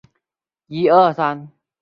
达米阿特人口变化图示